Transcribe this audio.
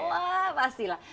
wah pasti lah